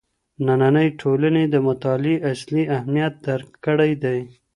نننۍ ټولني د مطالعې اصلي اهميت درک کړی دی.